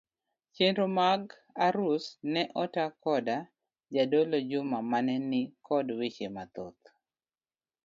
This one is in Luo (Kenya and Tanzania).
Chenro mag arus ne ota koda jadolo Juma mane ni kod weche mathoth.